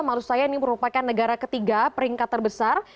maksud saya ini merupakan negara ketiga peringkat terbesar